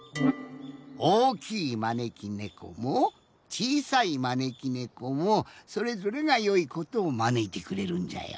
おおきいまねきねこもちいさいまねきねこもそれぞれがよいことをまねいてくれるんじゃよ。